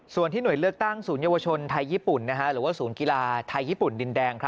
ส่วนที่หน่วยเลือกตั้งศูนยวชนไทยญี่ปุ่นหรือว่าศูนย์กีฬาไทยญี่ปุ่นดินแดง